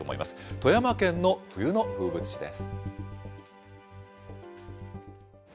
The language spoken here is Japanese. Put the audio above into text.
富山県の冬の風物詩です。